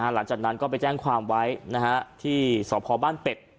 หลังจากนั้นก็ไปแจ้งความไว้ที่สพบ้านเป็ด